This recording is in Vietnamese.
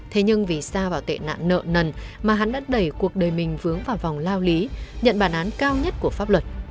thế nhưng vì sao vào tệ nạn nợ nần mà hắn đã đẩy cuộc đời mình vướng vào vòng lao lý nhận bản án cao nhất của pháp luật